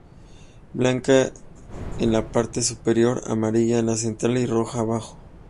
Blanca en la parte superior, amarillo en la central y rojo abajo.